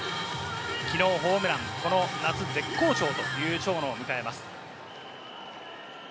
昨日ホームラン、この夏絶好調という長野を迎えます。